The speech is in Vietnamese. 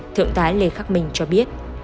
thượng tá lê khắc minh cho biết